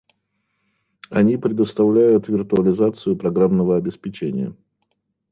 Они предоставляют виртуализацию программного обеспечения